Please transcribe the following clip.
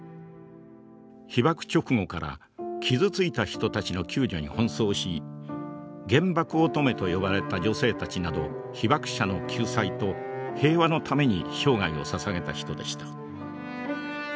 被爆直後から傷ついた人たちの救助に奔走し「原爆乙女」と呼ばれた女性たちなど被爆者の救済と平和のために生涯をささげた人でした。